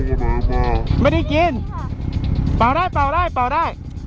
จะกินเรากะไนมา